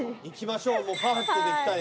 いきましょう。